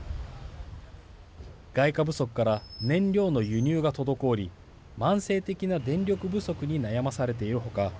外貨不足から燃料の輸入が滞り慢性的な電力不足に悩まされている他